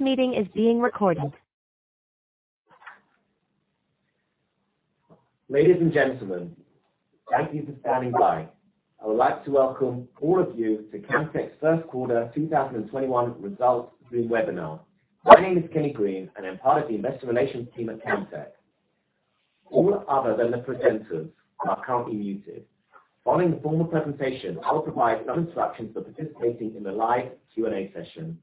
Ladies and gentlemen, thank you for standing by. I would like to welcome all of you to Camtek's first quarter 2021 results through webinar. My name is Kenny Green, and I'm part of the Investor Relations team at Camtek. All other than the presenters are currently muted. Following the formal presentation, I will provide some instructions for participating in the live Q&A session.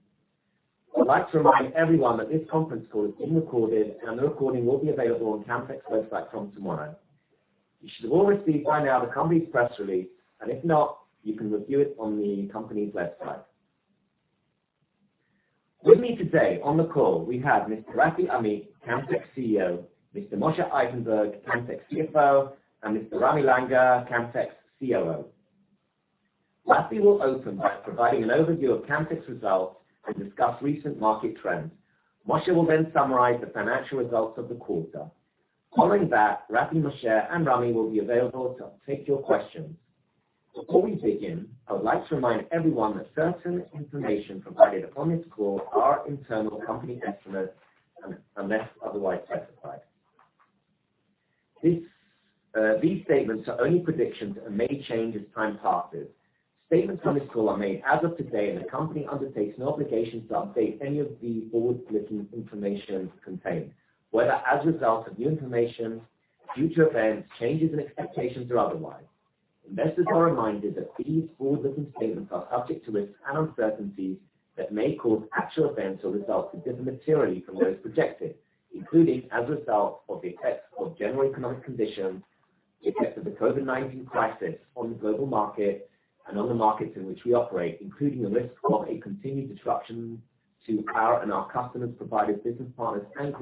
I would like to remind everyone that this conference call is being recorded, and the recording will be available on Camtek's website from tomorrow. You should have all received by now the company's press release, and if not, you can review it on the company's website. With me today on the call, we have Mr. Rafi Amit, Camtek's CEO, Mr. Moshe Eisenberg, Camtek's CFO, and Mr. Ramy Langer, Camtek's COO. Rafi will open by providing an overview of Camtek's results and discuss recent market trends. Moshe will then summarize the financial results of the quarter. Following that, Rafi, Moshe, and Ramy will be available to take your questions. Before we begin, I would like to remind everyone that certain information provided on this call are internal company estimates unless otherwise specified. These statements are only predictions and may change as time passes. Statements on this call are made as of today, and the company undertakes no obligation to update any of the forward-looking information contained, whether as a result of new information, future events, changes in expectations, or otherwise. Investors are reminded that these forward-looking statements are subject to risks and uncertainties that may cause actual events or results to differ materially from those projected, including as a result of the effects of general economic conditions, the effects of the COVID-19 crisis on the global market and on the markets in which we operate, including the risk of a continued disruption to our and our customers', providers, business partners, and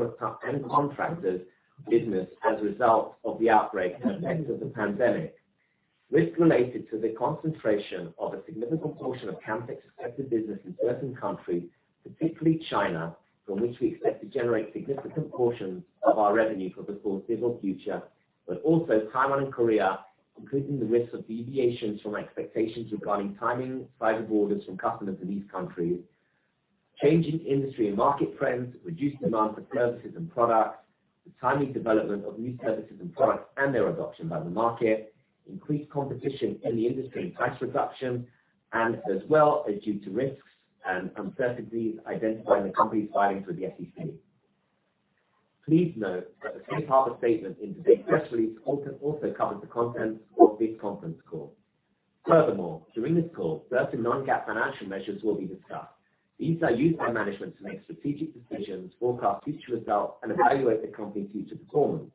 contractors' business as a result of the outbreak and end of the pandemic. Risk related to the concentration of a significant portion of Camtek's expected business in certain countries, particularly China, from which we expect to generate significant portions of our revenue for the foreseeable future, but also Taiwan and Korea, including the risk of deviations from expectations regarding timing, size of orders from customers in these countries, changing industry and market trends, reduced demand for services and products, the timely development of new services and products and their adoption by the market, increased competition in the industry and price reduction, and as well as due to risks and uncertainties identified in the company's filings with the SEC. Please note that the safe harbor statement in today's press release also covers the content of this conference call. Furthermore, during this call, certain non-GAAP financial measures will be discussed. These are used by management to make strategic decisions, forecast future results, and evaluate the company's future performance.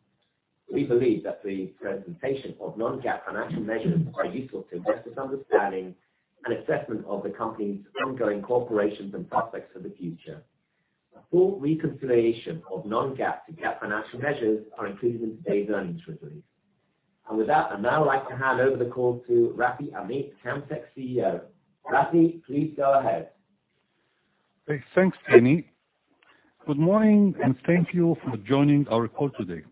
We believe that the presentation of non-GAAP financial measures are useful to investors' understanding and assessment of the company's ongoing operations and prospects for the future. A full reconciliation of non-GAAP to GAAP financial measures are included in today's earnings release. With that, I'd now like to hand over the call to Rafi Amit, Camtek's CEO. Rafi, please go ahead. Thanks, Kenny. Good morning, and thank you for joining our call today.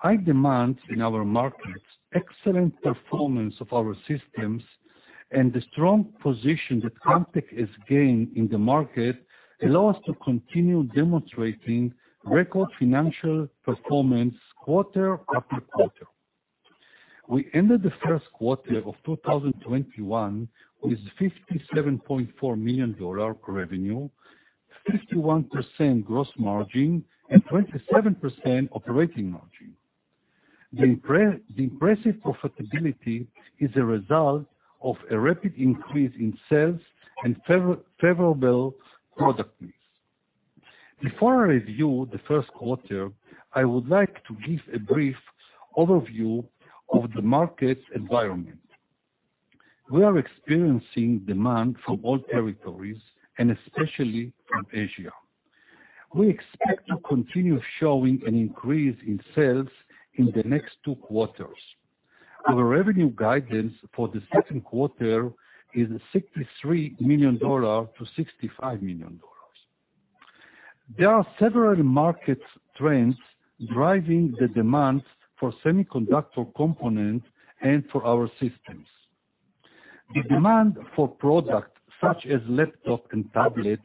High demand in our markets, excellent performance of our systems, and the strong position that Camtek has gained in the market allow us to continue demonstrating record financial performance quarter after quarter. We ended the first quarter of 2021 with $57.4 million, 51% gross margin, and 27% operating margin. The impressive profitability is a result of a rapid increase in sales and favorable product mix. Before I review the first quarter, I would like to give a brief overview of the market environment. We are experiencing demand from all territories and especially from Asia. We expect to continue showing an increase in sales in the next two quarters. Our revenue guidance for the second quarter is $63 million-$65 million. There are several market trends driving the demand for semiconductor components and for our systems. The demand for products such as laptops and tablets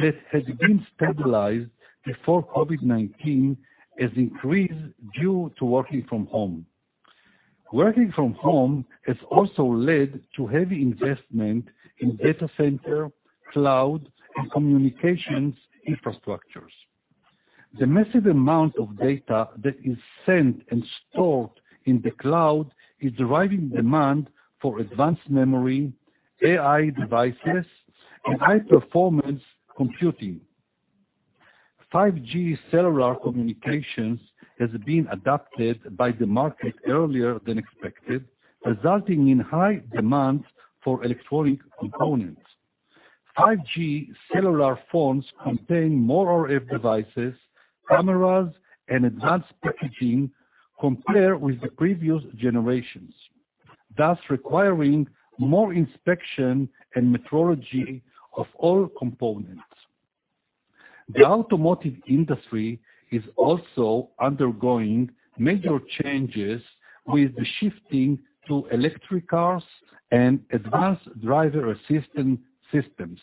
that had been stabilized before COVID-19 has increased due to working from home. Working from home has also led to heavy investment in data center, cloud, and communications infrastructures. The massive amount of data that is sent and stored in the cloud is driving demand for advanced memory, AI devices, and High-Performance Computing. 5G cellular communications has been adopted by the market earlier than expected, resulting in high demand for electronic components. 5G cellular phones contain more RF devices, cameras, and advanced packaging compared with the previous generations, thus requiring more inspection and metrology of all components. The automotive industry is also undergoing major changes with the shifting to electric cars and advanced driver assistance systems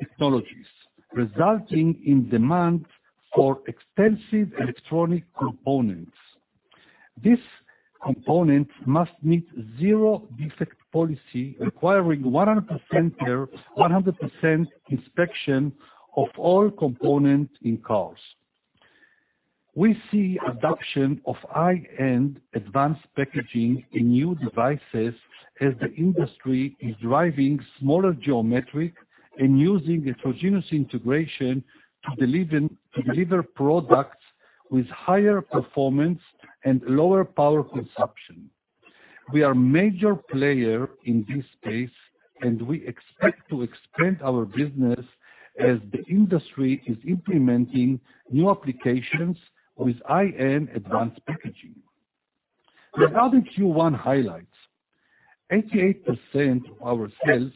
technologies, resulting in demand for extensive electronic components. These components must meet zero-defect policy, requiring 100% inspection of all components in cars. We see adoption of high-end advanced packaging in new devices as the industry is driving smaller geometric and using Heterogeneous Integration to deliver products with higher performance and lower power consumption. We are a major player in this space, and we expect to expand our business as the industry is implementing new applications with in advanced packaging. Regarding Q1 highlights, 88% of our sales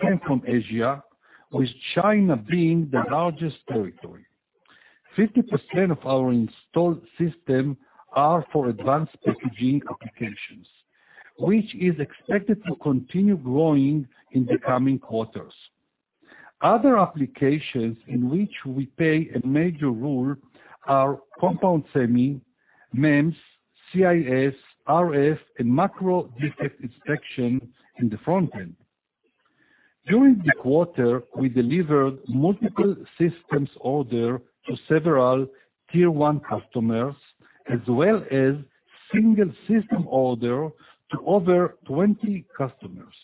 came from Asia, with China being the largest territory. 50% of our installed system are for advanced packaging applications, which is expected to continue growing in the coming quarters. Other applications in which we play a major role are compound semiconductor, MEMS, CIS, RF, and macro defect inspection in the front end. During the quarter, we delivered multiple systems order to several Tier 1 customers, as well as single system order to over 20 customers.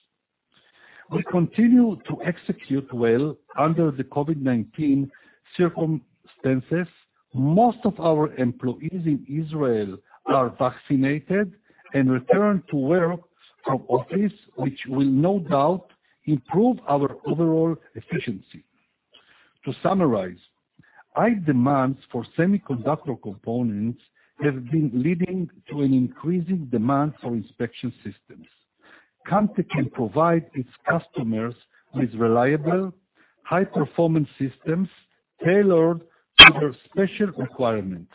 We continue to execute well under the COVID-19 circumstances. Most of our employees in Israel are vaccinated and return to work from office, which will no doubt improve our overall efficiency. To summarize, high demands for semiconductor components have been leading to an increasing demand for inspection systems. Camtek can provide its customers with reliable, High-Performance Systems tailored to their special requirements.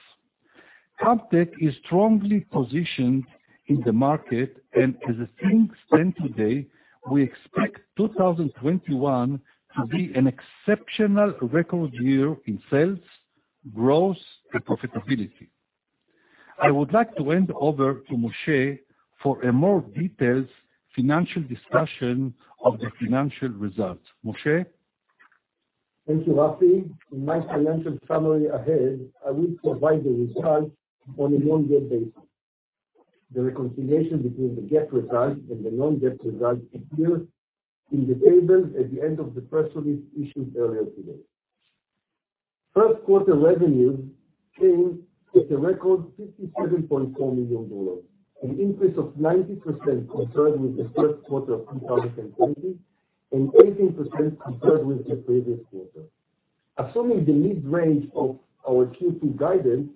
Camtek is strongly positioned in the market, and as things stand today, we expect 2021 to be an exceptional record year in sales, growth, and profitability. I would like to hand over to Moshe for a more detailed financial discussion of the financial results. Moshe? Thank you, Rafi. In my financial summary ahead, I will provide the results on a non-GAAP basis. The reconciliation between the GAAP results and the non-GAAP results appear in the tables at the end of the press release issued earlier today. First quarter revenues came at a record $57.4 million, an increase of 90% compared with the first quarter of 2020 and 18% compared with the previous quarter. Assuming the mid-range of our Q2 guidance,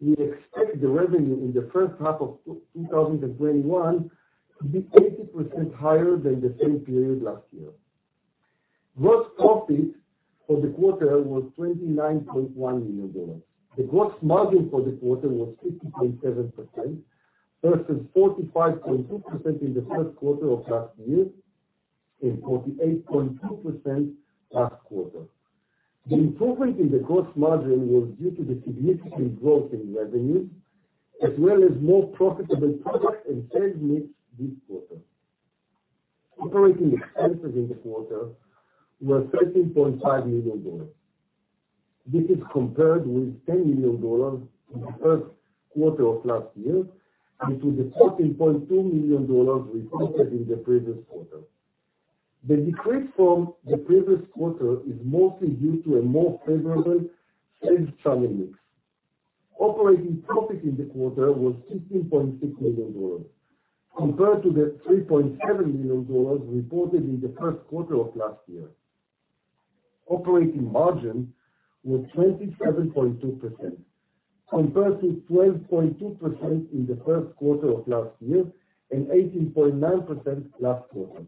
we expect the revenue in the first half of 2021 to be 80% higher than the same period last year. Gross profit for the quarter was $29.1 million. The gross margin for the quarter was 50.7% versus 45.2% in the first quarter of last year and 48.2% last quarter. The improvement in the gross margin was due to the significant growth in revenue, as well as more profitable products and sales mix this quarter. Operating expenses in the quarter were $13.5 million. This is compared with $10 million in the first quarter of last year and to the $14.2 million reported in the previous quarter. The decrease from the previous quarter is mostly due to a more favorable sales channel mix. Operating profit in the quarter was $16.6 million, compared to the $3.7 million reported in the first quarter of last year. Operating margin was 27.2%, compared to 12.2% in the first quarter of last year and 18.9% last quarter.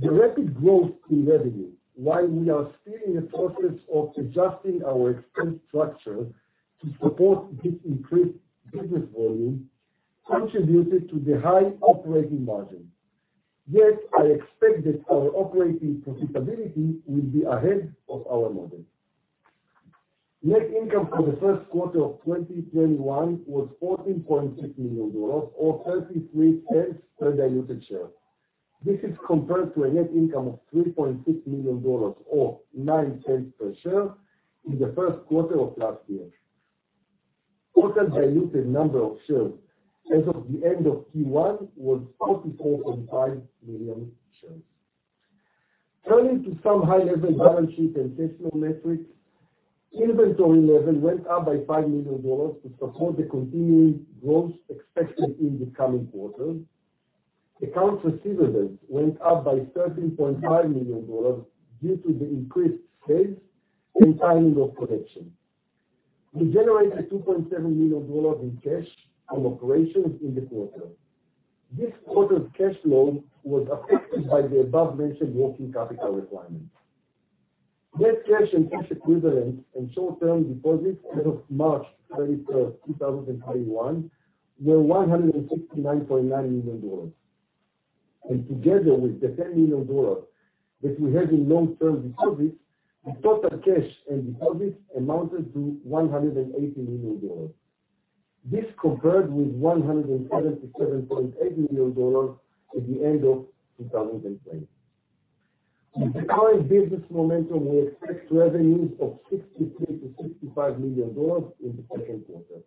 The rapid growth in revenue while we are still in the process of adjusting our expense structure to support this increased business volume, contributed to the high operating margin, yet I expect that our operating profitability will be ahead of our model. Net income for the first quarter of 2021 was $14.6 million, or $0.33 per diluted share. This is compared to a net income of $3.6 million, or $0.09 per share in the first quarter of last year. Total diluted number of shares as of the end of Q1 was 44.5 million shares. Turning to some high-level balance sheet and financial metrics, inventory level went up by $5 million to support the continuing growth expected in the coming quarters. Accounts receivable went up by $13.5 million due to the increased sales and timing of collection. We generated $2.7 million in cash from operations in the quarter. This quarter's cash flow was affected by the above-mentioned working capital requirements. Net cash and cash equivalents and short-term deposits as of March 31st, 2021, were $169.9 million. Together with the $10 million that we have in long-term deposits, the total cash and deposits amounted to $180 million. This compared with $177.8 million at the end of 2020. With the current business momentum, we expect revenues of $63 million-$65 million in the second quarter.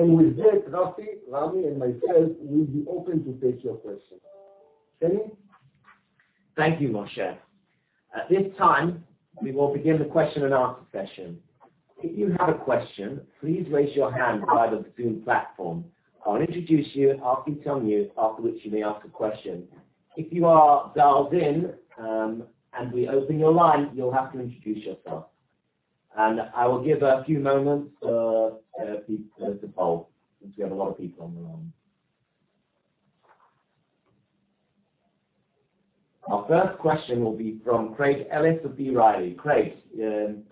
With that, Rafi, Ramy, and myself will be open to take your questions. Kenny? Thank you, Moshe. At this time, we will begin the question and answer session. If you have a question, please raise your hand via the Zoom platform. I'll introduce you, I'll keep telling you, after which you may ask a question. If you are dialed in, and we open your line, you'll have to introduce yourself. I will give a few moments for people to poll, since we have a lot of people on the line. Our first question will be from Craig Ellis of B. Riley. Craig,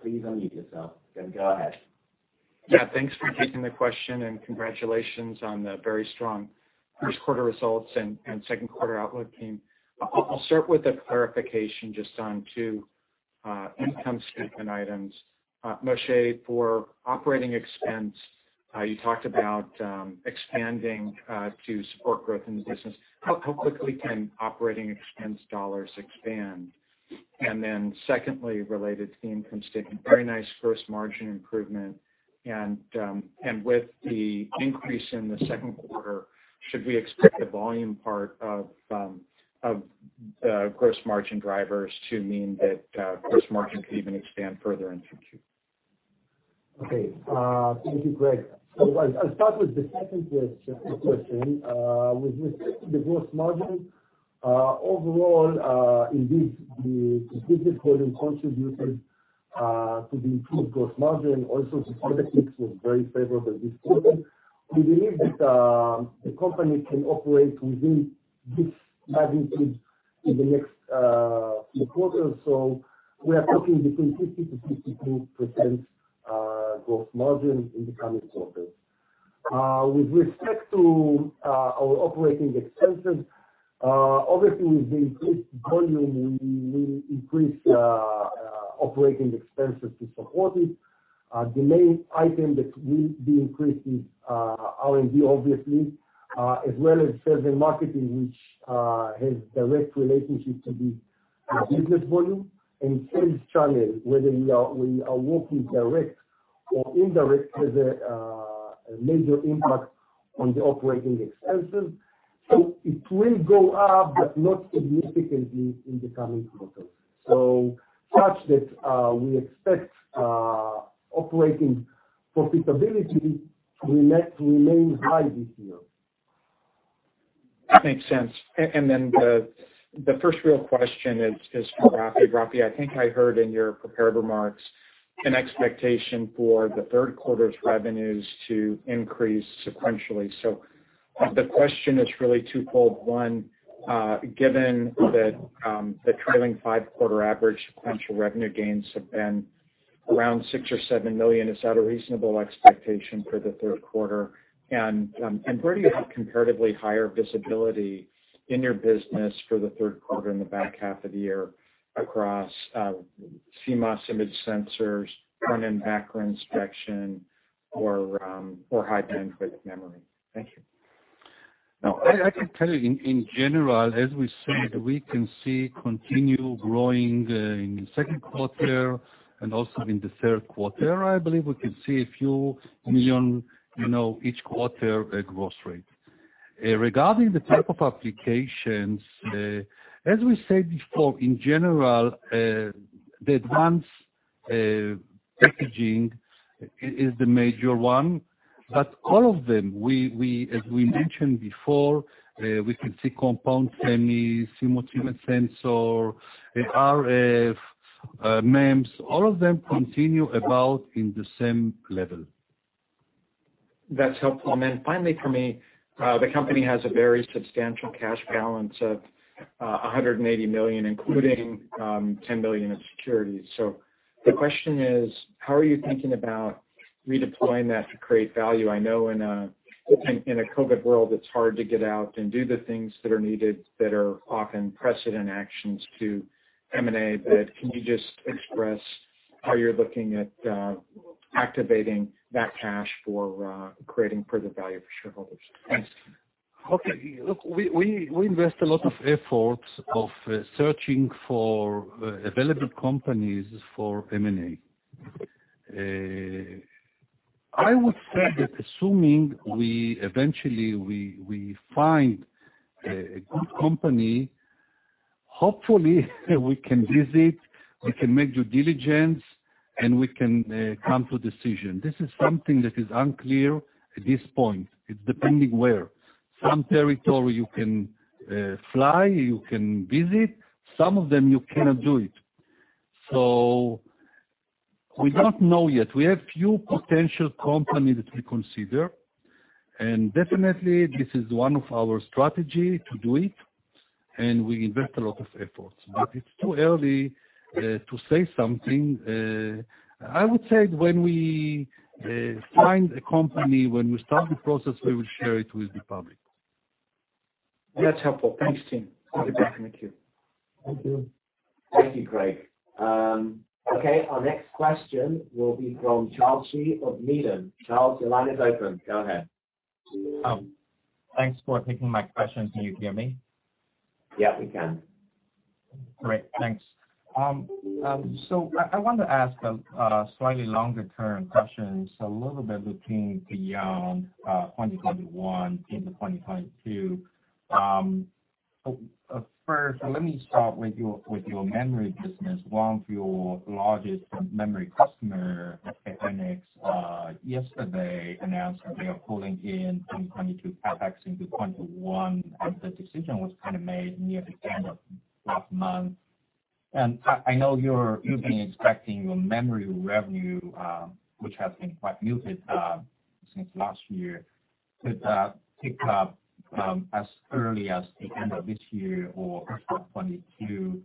please unmute yourself and go ahead. Yeah. Thanks for taking the question, and congratulations on the very strong first quarter results and second quarter outlook, team. I'll start with a clarification just on two income statement items. Moshe, for operating expense, you talked about expanding to support growth in the business. How quickly can operating expense dollars expand? Secondly, related to the income statement, very nice gross margin improvement. With the increase in the second quarter, should we expect the volume part of the gross margin drivers to mean that gross margin could even expand further in Q2? Okay. Thank you, Craig. I'll start with the second question. With respect to the gross margin, overall, indeed, the business volume contributed to the improved gross margin. The product mix was very favorable this quarter. We believe that the company can operate within this magnitude in the next few quarters. We are talking between 50%-52% gross margin in the coming quarters. With respect to our operating expenses, obviously, with the increased volume, we will increase operating expenses to support it. The main item that will be increased is R&D, obviously, as well as sales and marketing, which has direct relationship to the business volume, and sales channel. Whether we are working direct or indirect has a major impact on the operating expenses. It will go up, but not significantly in the coming quarters. Such that we expect operating profitability to remain high this year. Makes sense. The first real question is for Rafi. Rafi, I think I heard in your prepared remarks an expectation for the third quarter's revenues to increase sequentially. The question is really twofold. One, given that the trailing five-quarter average sequential revenue gains have been around six or seven million, is that a reasonable expectation for the third quarter? Where do you have comparatively higher visibility in your business for the third quarter in the back half of the year across CMOS image sensors, front and back-end inspection, or High Bandwidth Memory? Thank you. No. I can tell you in general, as we said, we can see continual growing in the second quarter and also in the third quarter. I believe we can see a few million each quarter at growth rate. Regarding the type of applications, as we said before, in general, the advanced packaging is the major one. All of them, as we mentioned before, we can see compound semiconductor, CMOS image sensor, RF, MEMS, all of them continue about in the same level. That's helpful. Finally for me, the company has a very substantial cash balance of $180 million, including $10 million of securities. The question is, how are you thinking about redeploying that to create value? I know in a COVID world, it's hard to get out and do the things that are needed that are often precedent actions to M&A. Can you just express how you're looking at activating that cash for creating further value for shareholders? Thanks. Okay. Look, we invest a lot of efforts of searching for available companies for M&A. I would say that assuming eventually we find a good company, hopefully we can visit, we can make due diligence, and we can come to decision. This is something that is unclear at this point. It's depending where. Some territory you can fly, you can visit. Some of them, you cannot do it. We don't know yet. We have few potential company that we consider, and definitely this is one of our strategy to do it, and we invest a lot of efforts. It's too early to say something. I would say when we find a company, when we start the process, we will share it with the public. That's helpful. Thanks, team. Put you back in the queue. Thank you. Thank you, Craig. Okay, our next question will be from Charles Shi of Needham. Charles, your line is open. Go ahead. Thanks for taking my question. Can you hear me? Yeah, we can. Great, thanks. I want to ask a slightly longer-term question, a little bit looking beyond 2021 into 2022. First, let me start with your memory business. One of your largest memory customer, SK Hynix, yesterday announced that they are pulling in 2022 CapEx into 2021, the decision was kind of made near the end of last month. I know you've been expecting your memory revenue, which has been quite muted since last year, to pick up as early as the end of this year or Q4 2022.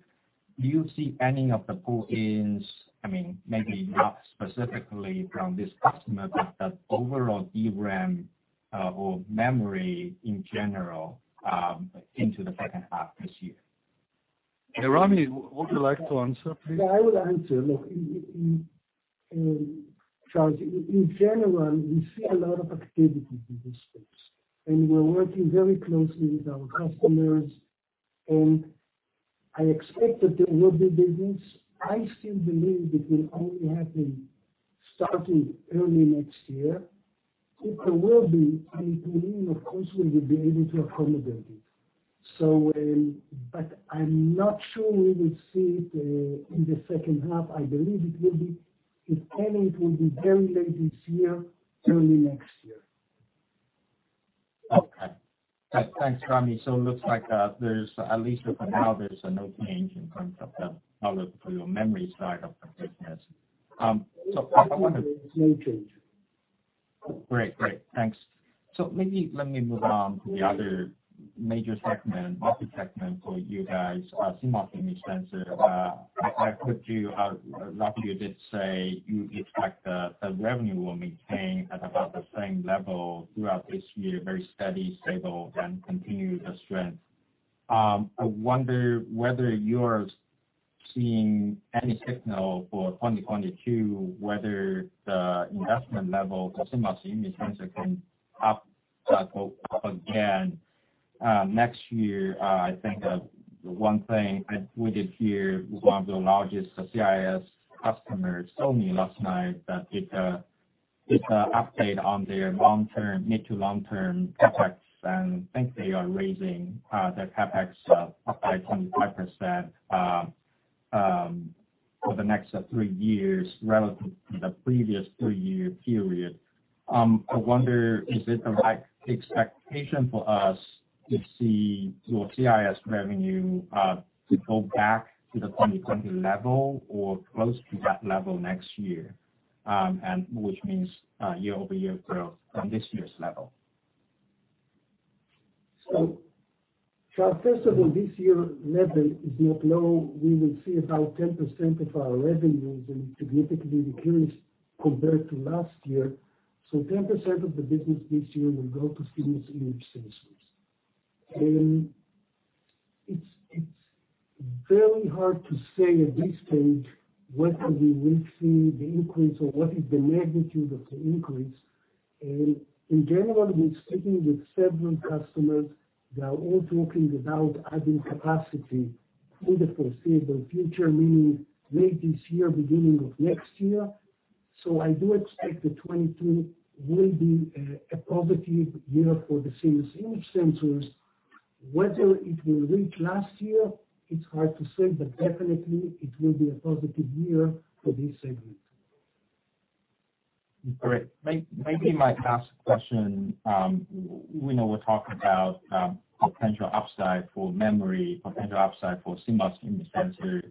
Do you see any of the pull-ins, maybe not specifically from this customer, but the overall DRAM or memory in general, into the second half this year? Ramy, would you like to answer, please? Yeah, I will answer. Look, Charles, in general, we see a lot of activity in the space, and we're working very closely with our customers, and I expect that there will be business. I still believe it will only happen starting early next year. If there will be any pulling, of course we will be able to accommodate it. I'm not sure we will see it in the second half. I believe it will be, if any, it will be very late this year, early next year. Okay. Thanks, Ramy. Looks like there's at least for now, there's no change in terms of the outlook for your memory side of the business. I wonder. No change. Great. Thanks. Maybe let me move on to the other major segment, market segment for you guys, CMOS Image Sensor. I put you Ramy, you did say you expect the revenue will maintain at about the same level throughout this year, very steady, stable, and continue the strength. I wonder whether you're seeing any signal for 2022, whether the investment level CMOS image sensor can up again. Next year, I think, the one thing I did hear one of your largest CIS customers told me last night that it's a update on their mid to long-term CapEx, and think they are raising their CapEx up by 25% for the next three years relative to the previous three-year period. I wonder, is it the right expectation for us to see your CIS revenue to go back to the 2020 level or close to that level next year? Which means year-over-year growth from this year's level. Charles, first of all, this year level is not low. We will see about 10% of our revenues will significantly increase compared to last year. 10% of the business this year will go to CMOS Image Sensors. It's very hard to say at this stage whether we will see the increase or what is the magnitude of the increase. In general, we're sitting with several customers. They are all talking about adding capacity in the foreseeable future, meaning late this year, beginning of next year. I do expect that 2022 will be a positive year for the CMOS Image Sensors. Whether it will reach last year, it's hard to say, but definitely it will be a positive year for this segment. Great. Maybe my last question. We know we're talking about potential upside for memory, potential upside for CMOS Image Sensor.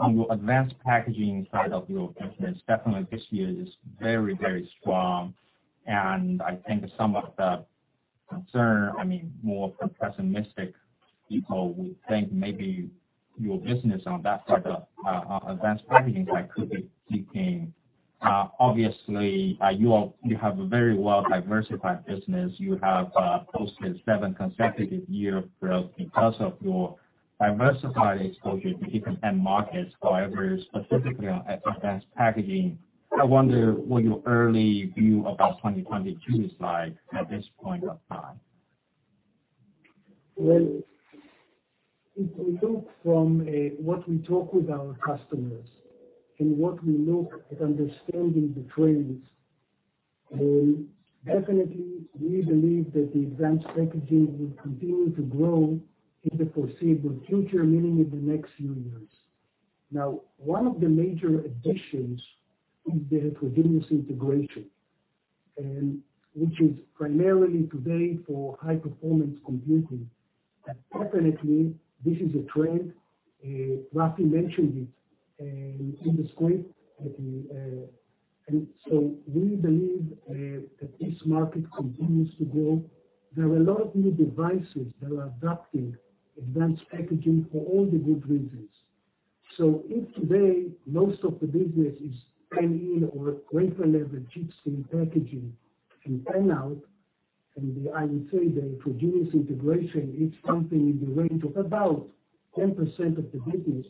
On your advanced packaging side of your business, definitely this year is very strong, and I think some of the concern, more from pessimistic people, would think maybe your business on that side of advanced packaging side could be peaking. Obviously, you have a very well-diversified business. You have posted seven consecutive year growth because of your diversified exposure to different end markets. Specifically on advanced packaging, I wonder what your early view about 2022 is like at this point of time. Well, if we look from what we talk with our customers and what we look at understanding the trends, definitely we believe that the advanced packaging will continue to grow in the foreseeable future, meaning in the next few years. One of the major additions is the Heterogeneous Integration. Which is primarily today for High-Performance Computing. Definitely, this is a trend, Rafi mentioned it in the script that he And so we believe that this market continues to grow. There are a lot of new devices that are adopting advanced packaging for all the good reasons. If today most of the business is fan-in or wafer level chip scale packaging and fan-out, and I would say the Heterogeneous Integration is something in the range of about 10% of the business.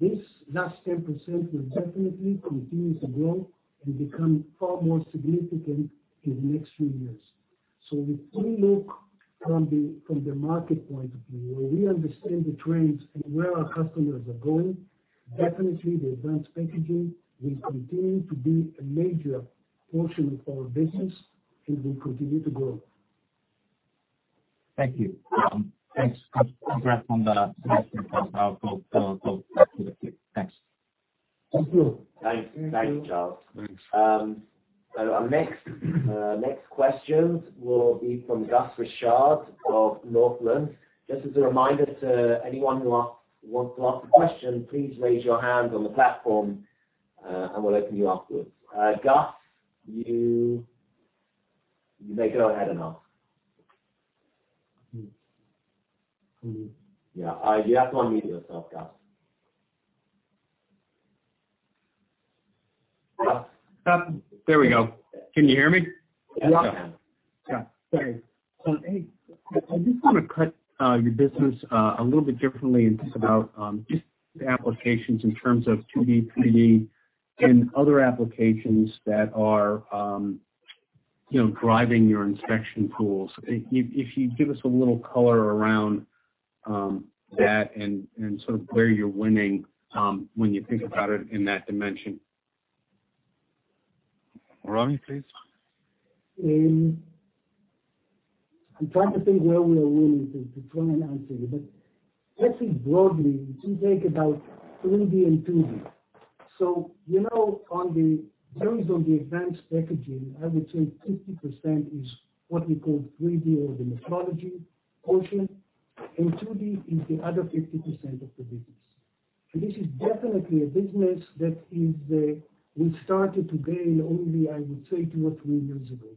This last 10% will definitely continue to grow and become far more significant in the next few years. If we look from the market point of view, where we understand the trends and where our customers are going, definitely the advanced packaging will continue to be a major portion of our business and will continue to grow. Thank you. Thanks. Congrats on the results. Thanks. Thank you. Thanks, Charles. Thanks. Our next question will be from Gus Richard of Northland. Just as a reminder to anyone who wants to ask a question, please raise your hand on the platform, and we'll open you afterwards. Gus, you may go ahead and ask. Yeah. You have to unmute yourself, Gus. There we go. Can you hear me? Yes. Yeah. Sorry. Hey, I just want to cut your business a little bit differently and think about just the applications in terms of 2D, 3D and other applications that are driving your inspection tools. If you'd give us a little color around that and sort of where you're winning, when you think about it in that dimension. Ramy, please. I'm trying to think where we are winning to try and answer you. Let's think broadly to think about 3D and 2D. You know, on the terms of the advanced packaging, I would say 50% is what we call 3D or the metrology portion, and 2D is the other 50% of the business. This is definitely a business that we started to gain only, I would say, two or three years ago.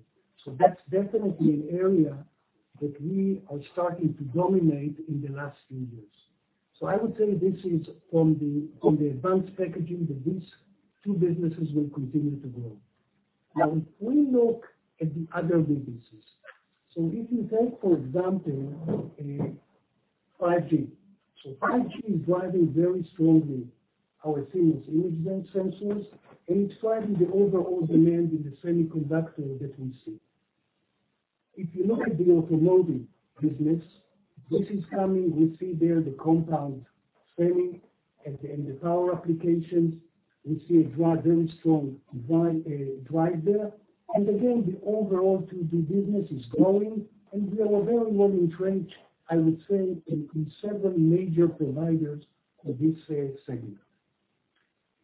That's definitely an area that we are starting to dominate in the last few years. I would say this is from the advanced packaging, that these two businesses will continue to grow. Now, if we look at the other businesses, if you take, for example, 5G. 5G is driving very strongly our CMOS Image Sensors, and it's driving the overall demand in the semiconductor that we see. If you look at the automotive business, this is coming. We see there the compound semi and the power applications. We see a very strong drive there. Again, the overall 2D business is growing, and we are very well entrenched, I would say, in several major providers of this segment.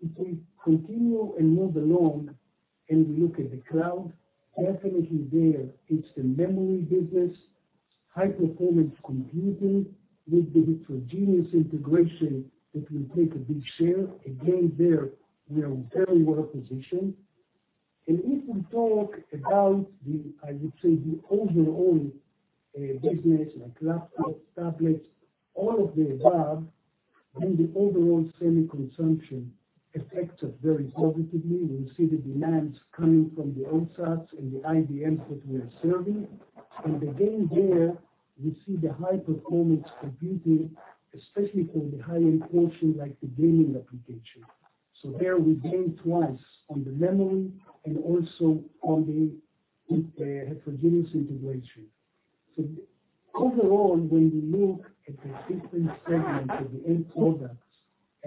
If we continue and move along, and we look at the cloud, definitely there it's the memory business, High-Performance Computing with the Heterogeneous Integration that will take a big share. Again, there we are very well positioned. If we talk about the, I would say, the overall business like laptops, tablets, all of the above, then the overall semi consumption affects us very positively. We see the demands coming from the OSATs and the IDMs that we are serving. Again, there we see the High-Performance Computing, especially for the high-end portion, like the gaming application. There we gain twice on the memory and also on the Heterogeneous Integration. Overall, when we look at the different segments of the end products and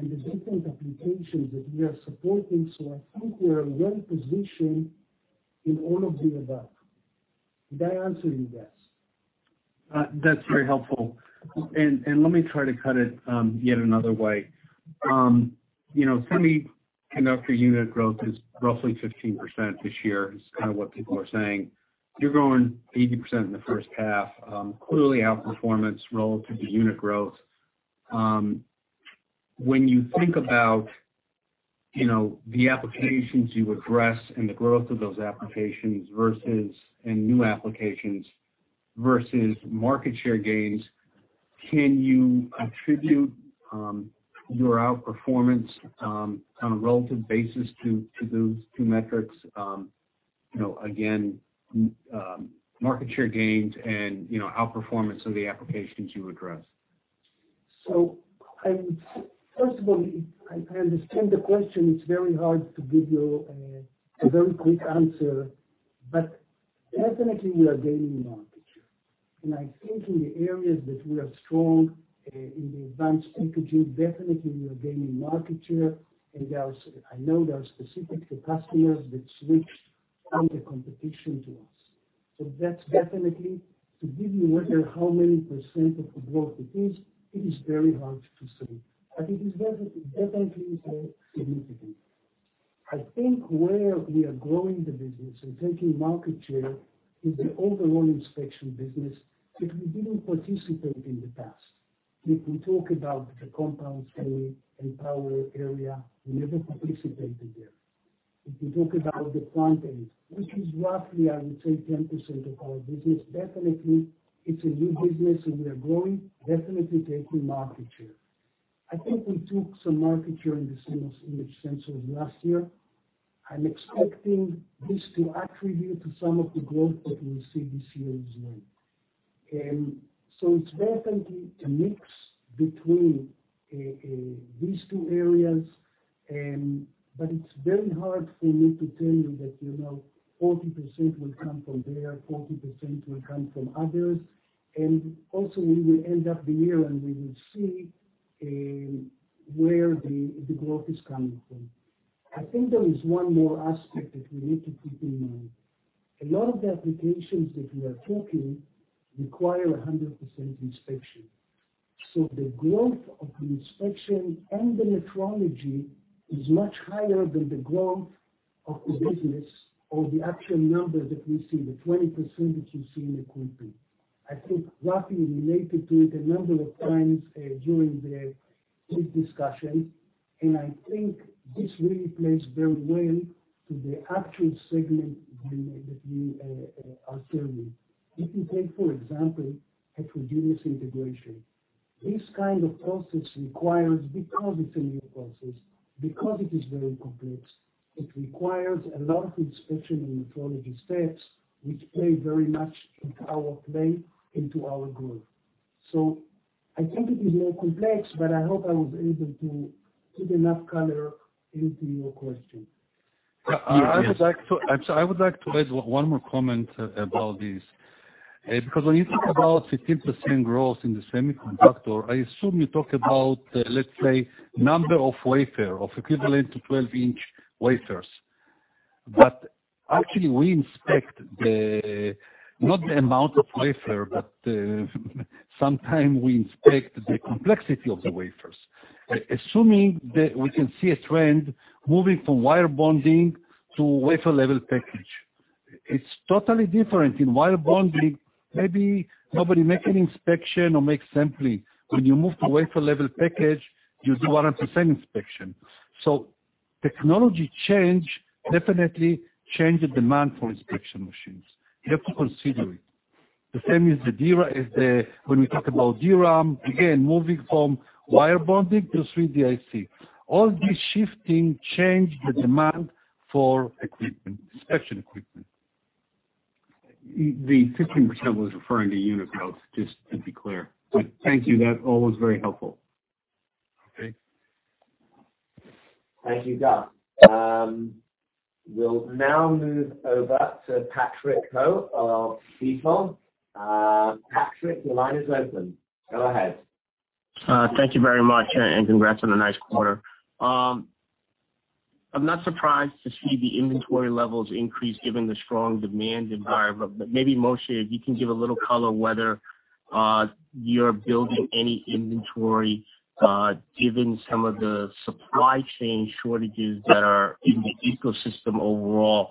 the different applications that we are supporting, I think we are well-positioned in all of the above. Did I answer you, Gus? That's very helpful. Let me try to cut it yet another way. Semiconductor unit growth is roughly 15% this year, is kind of what people are saying. You're growing 80% in the first half, clearly outperformance relative to unit growth. When you think about the applications you address and the growth of those applications versus, and new applications versus market share gains, can you attribute your outperformance on a relative basis to those two metrics? Again, market share gains and outperformance of the applications you address. First of all, I understand the question. It's very hard to give you a very quick answer, but definitely we are gaining market share. I think in the areas that we are strong in the advanced packaging, definitely we are gaining market share. I know there are specific customers that switched from the competition to us. That's definitely, to give you whether how many % of the growth it is, it is very hard to say. It is definitely significant. I think where we are growing the business and taking market share is the overall inspection business that we didn't participate in the past. If we talk about the compound semiconductor and power area, we never participated there. If we talk about the front-end, which is roughly, I would say, 10% of our business, definitely it's a new business, and we are growing, definitely taking market share. I think we took some market share in the image sensors last year. I'm expecting this to attribute to some of the growth that we will see this year as well. It's definitely a mix between these two areas, but it's very hard for me to tell you that 40% will come from there, 40% will come from others. We will end up the year, and we will see where the growth is coming from. I think there is one more aspect that we need to keep in mind. A lot of the applications that we are talking require 100% inspection. The growth of the inspection and the metrology is much higher than the growth of the business or the actual numbers that we see, the 20% that you see in the equipment. I think Rafi related to it a number of times during this discussion, and I think this really plays very well to the actual segment that you are serving. If you take, for example, Heterogeneous Integration. This kind of process requires, because it's a new process, because it is very complex, it requires a lot of inspection and metrology steps, which play very much into our play, into our growth. I think it is more complex, but I hope I was able to put enough color into your question. I would like to add one more comment about this. When you talk about 15% growth in the semiconductor, I assume you talk about, let's say, number of wafer, of equivalent to 12-in wafers. Actually, we inspect not the amount of wafer, but sometimes we inspect the complexity of the wafers. Assuming that we can see a trend moving from wire bonding to wafer level package, it's totally different. In wire bonding, maybe nobody make an inspection or make sampling. When you move to wafer level package, you do 100% inspection. Technology change definitely change the demand for inspection machines. You have to consider it. The same is when we talk about DRAM, again, moving from wire bonding to 3D IC. All this shifting change the demand for equipment, inspection equipment. The 15% was referring to unit growth, just to be clear. Thank you. That all was very helpful. Okay. Thank you, Gus Richard. We'll now move over to Patrick Ho of Stifel. Patrick, the line is open. Go ahead. Thank you very much. Congrats on a nice quarter. I'm not surprised to see the inventory levels increase given the strong demand environment. Maybe, Moshe, if you can give a little color whether you're building any inventory, given some of the supply chain shortages that are in the ecosystem overall.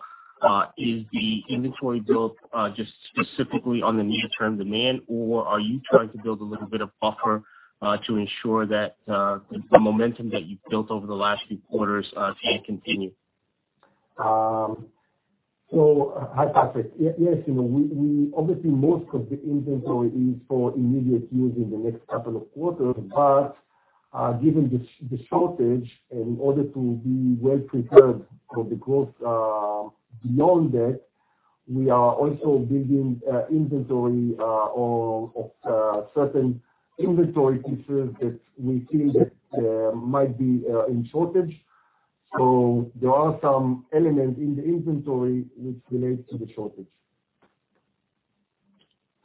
Is the inventory built just specifically on the near-term demand, or are you trying to build a little bit of buffer to ensure that the momentum that you've built over the last few quarters can continue? Hi, Patrick. Yes, obviously, most of the inventory is for immediate use in the next couple of quarters. Given the shortage, in order to be well-prepared for the growth beyond that, we are also building inventory of certain inventory pieces that we see that might be in shortage. There are some elements in the inventory which relate to the shortage.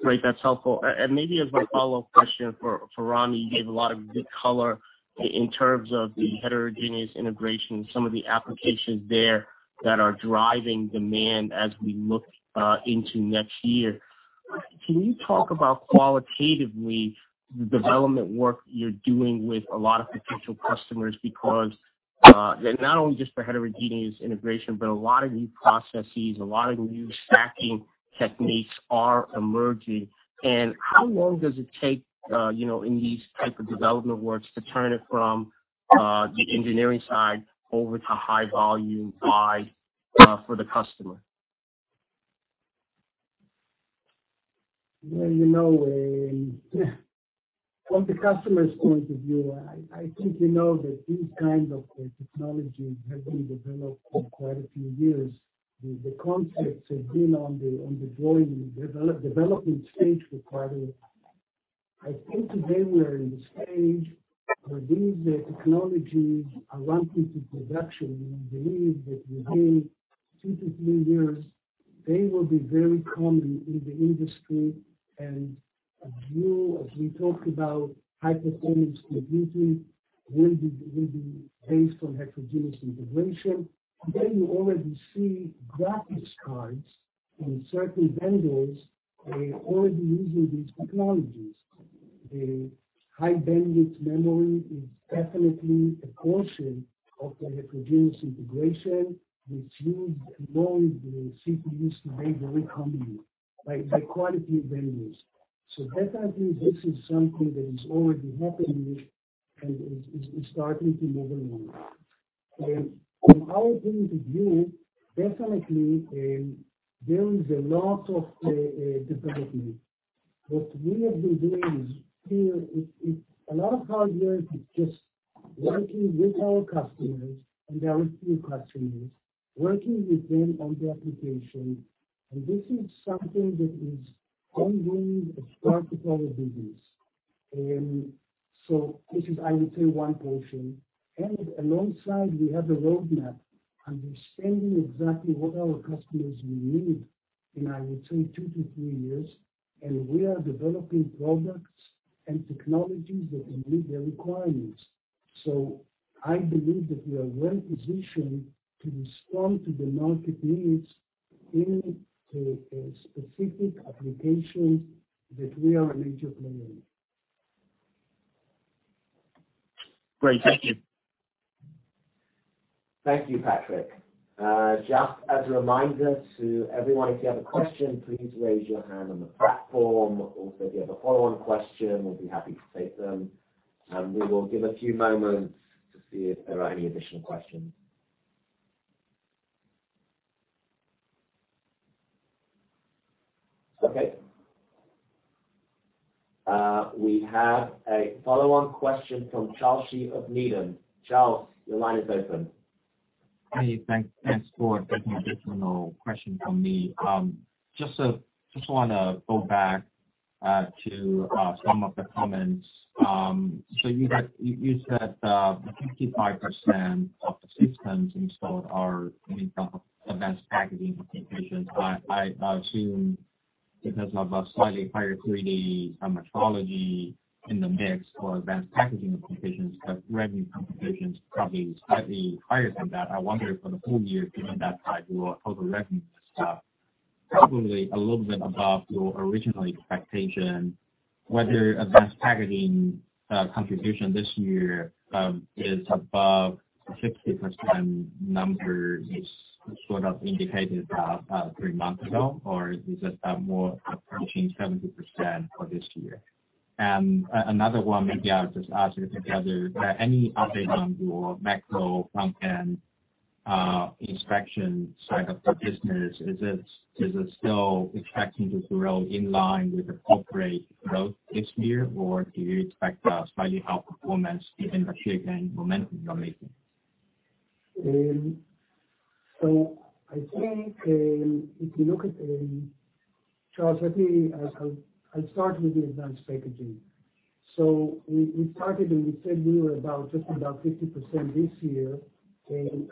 Great. That's helpful. Maybe as my follow-up question for Ramy, you gave a lot of good color in terms of the Heterogeneous Integration and some of the applications there that are driving demand as we look into next year. Can you talk about qualitatively the development work you're doing with a lot of potential customers? Not only just for Heterogeneous Integration, but a lot of new processes, a lot of new stacking techniques are emerging. How long does it take in these type of development works to turn it from the engineering side over to high volume buy for the customer? Well, from the customer's point of view, I think you know that these kinds of technologies have been developed for quite a few years. The concepts have been on the drawing and development stage for quite a while. I think today we are in the stage where these technologies are ramped into production. We believe that within two to three years, they will be very common in the industry. As we talked about High-Performance Computing will be based on Heterogeneous Integration. Today, you already see graphics cards in certain vendors. They're already using these technologies. The High Bandwidth Memory is definitely a portion of the Heterogeneous Integration, which used along with the CPUs to make very common high-quality vendors. Definitely this is something that is already happening and is starting to move along. From our point of view, definitely, there is a lot of development. What we have been doing is here, a lot of hard work is just working with our customers and our few customers, working with them on the application, and this is something that is ongoing as part of our business. This is, I would say, one portion. Alongside we have a roadmap, understanding exactly what our customers will need in, I would say, two to three years, and we are developing products and technologies that will meet their requirements. I believe that we are well-positioned to respond to the market needs in the specific applications that we are a major player in. Great. Thank you. Thank you, Patrick. Just as a reminder to everyone, if you have a question, please raise your hand on the platform. Also, if you have a follow-on question, we'll be happy to take them, and we will give a few moments to see if there are any additional questions. Okay. We have a follow-on question from Charles Shi of Needham. Charles, your line is open. Hi. Thanks for taking additional question from me. Just want to go back to some of the comments. You said 55% of the systems installed are in advanced packaging applications. I assume because of a slightly higher 3D metrology in the mix for advanced packaging applications, that revenue contribution is probably slightly higher than that. I wonder for the full year, given that guide, your total revenue is up probably a little bit above your original expectation. Whether advanced packaging contribution this year is above the 50% number you sort of indicated about three months ago, or is it more approaching 70% for this year? Another one, maybe I'll just ask it together. Any update on your macro defect inspection side of the business? Is it still expecting to grow in line with the corporate growth this year? Do you expect a slightly higher performance given the shift in momentum you're making? I think, if you look at Charles Shi, let me, I'll start with the advanced packaging. We started and we said we were about just about 50% this year.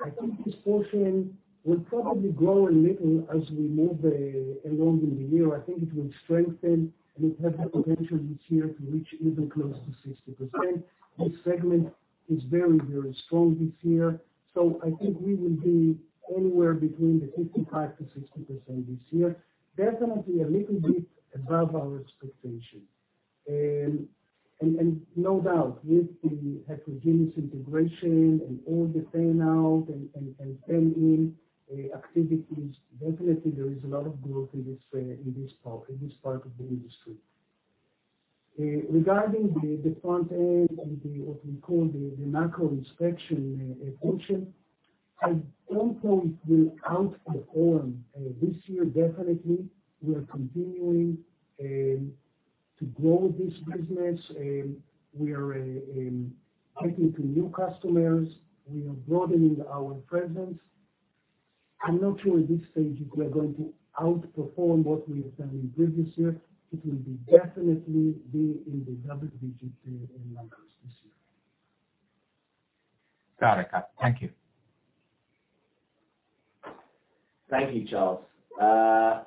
I think this portion will probably grow a little as we move along in the year. I think it will strengthen, and it has the potential this year to reach even close to 60%. This segment is very, very strong this year, so I think we will be anywhere between the 55%-60% this year. Definitely a little bit above our expectation. No doubt, with the Heterogeneous Integration and all the fan-out and fan-in activities, definitely there is a lot of growth in this part of the industry. Regarding the front-end and the, what we call the macro defect inspection portion, I don't know if we'll outperform this year, definitely. We are continuing to grow this business, we are taking to new customers, we are broadening our presence. I'm not sure at this stage if we are going to outperform what we have done in previous years. It will be definitely be in the double-digit numbers this year. Got it. Thank you. Thank you, Charles.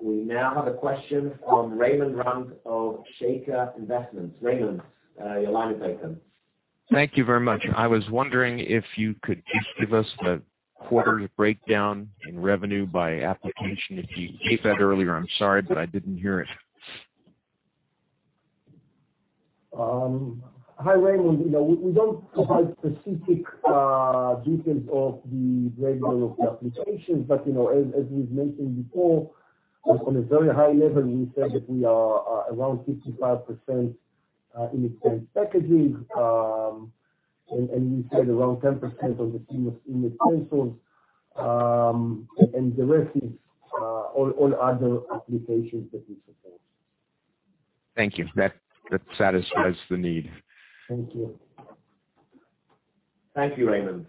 We now have a question from Raymond Rund of Shaker Investments. Raymond, your line is open. Thank you very much. I was wondering if you could just give us a quarter breakdown in revenue by application. If you gave that earlier, I'm sorry, but I didn't hear it. Hi, Raymond. We don't provide specific details of the breakdown of the applications. As we've mentioned before, on a very high level, we said that we are around 55% in advanced packaging, and we said around 10% on the image sensors, and the rest is all other applications that we support. Thank you. That satisfies the need. Thank you. Thank you, Raymond.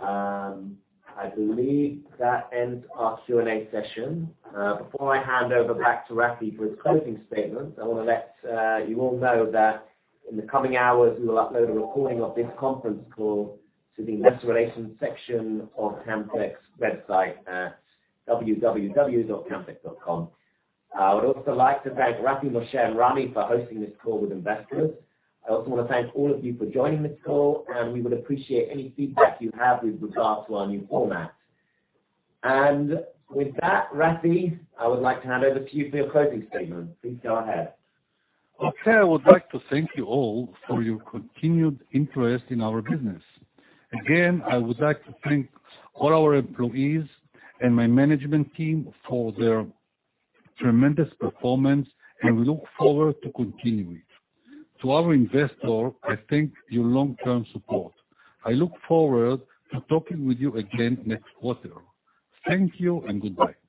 I believe that ends our Q&A session. Before I hand over back to Rafi for his closing statement, I want to let you all know that in the coming hours, we will upload a recording of this conference call to the investor relations section of Camtek's website at www.camtek.com. I would also like to thank Rafi, Moshe, and Ramy for hosting this call with investors. We would appreciate any feedback you have with regards to our new format. With that, Rafi, I would like to hand over to you for your closing statement. Please go ahead. Okay. I would like to thank you all for your continued interest in our business. I would like to thank all our employees and my management team for their tremendous performance, and we look forward to continue it. To our investor, I thank your long-term support. I look forward to talking with you again next quarter. Thank you and goodbye